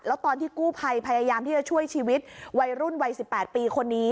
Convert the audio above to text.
แล้วตอนที่กู้ภัยพยายามที่จะช่วยชีวิตวัยรุ่นวัย๑๘ปีคนนี้